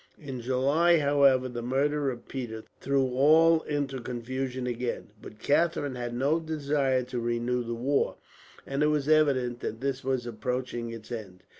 In July, however, the murder of Peter threw all into confusion again; but Catherine had no desire to renew the war, and it was evident that this was approaching its end.